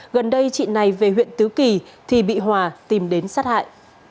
gần đây chị này về huyện tứ kỳ thì bị hòa tìm đến sát hại